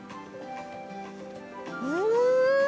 うん！